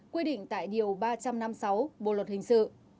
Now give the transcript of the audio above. quy định tại điều ba trăm năm mươi sáu bộ luật hình sự